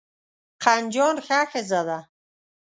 قندجان ښه ښځه ده.